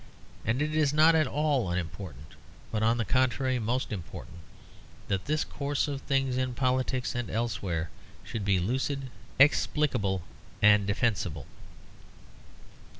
And it is not at all unimportant, but on the contrary most important, that this course of things in politics and elsewhere should be lucid, explicable and defensible.